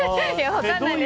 はい。